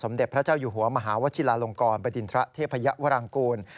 เด็จพระเจ้าอยู่หัวมหาวชิลาลงกรบดินทระเทพยวรังกูล